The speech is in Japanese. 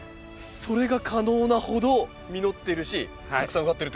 それが可能なほど実ってるしたくさん植わってるってことですね。